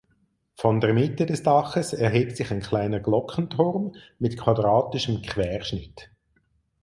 Von der Mitte des Daches erhebt sich ein kleiner Glockenturm mit quadratischem Querschnitt.